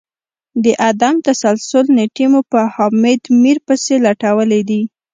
د عدم تسلسل نیټې مو په حامد میر پسي لټولې دي